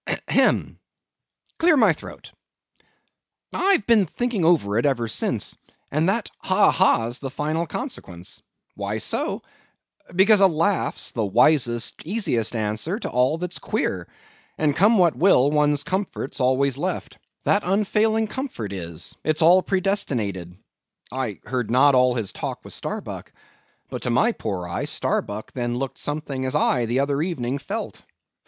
ha! hem! clear my throat!—I've been thinking over it ever since, and that ha, ha's the final consequence. Why so? Because a laugh's the wisest, easiest answer to all that's queer; and come what will, one comfort's always left—that unfailing comfort is, it's all predestinated. I heard not all his talk with Starbuck; but to my poor eye Starbuck then looked something as I the other evening felt.